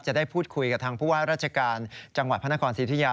จะได้พูดคุยกับทางผู้ว่าราชการจังหวัดพระนครศรีธุยา